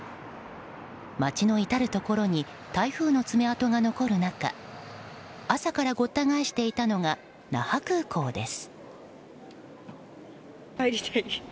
街の至るところに台風の爪痕が残る中朝からごった返していたのが那覇空港です。